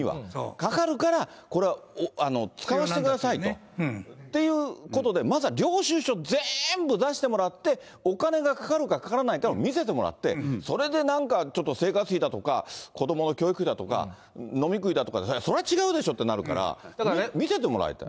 かかるから、これは使わせてくださいと、っていうことで、まずは領収書全部出してもらって、お金がかかるか、かからないかを見せてもらって、それでなんかちょっと生活費だとか、子どもの教育費だとか、飲み食いだとか、それは違うでしょってなるから、見せてもらいたい。